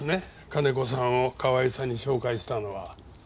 金子さんを河合さんに紹介したのは。